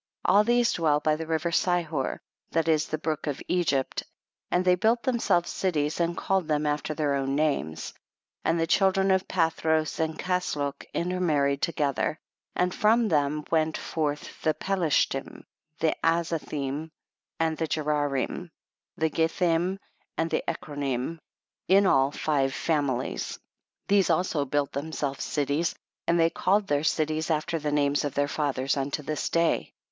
22. All these dwell by the river Sihor, that is the brook of Egypt, and they built themselves cities and called them after their own names. 23. And the children of Pathros and Casloch intermarried together, and from them went forth the Pelish tim, the Azathim, and the Gerarim, the Githim and the Ekronim, in all five families ; these also buih. them selves cities, and they called their cities after the names of their fathers unto this day.